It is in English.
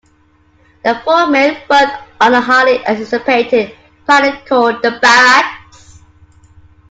The four men worked on the highly anticipated Pilot called The Barracks.